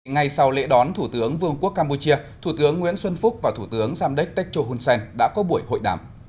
ngay sau lễ đón thủ tướng vương quốc campuchia thủ tướng nguyễn xuân phúc và thủ tướng samdech techo hun sen đã có buổi hội đàm